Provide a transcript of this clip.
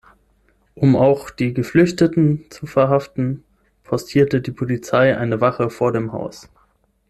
Um auch die Geflüchteten zu verhaften, postierte die Polizei eine Wache vor dem Haus.